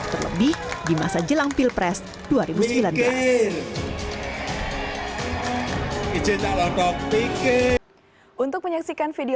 terlebih di masa jelang pilpres dua ribu sembilan belas